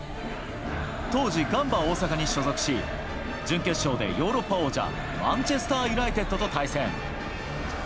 当時、ガンバ大阪に所属し、準決勝でヨーロッパ王者、マンチェスター・ユナイテッドと対戦。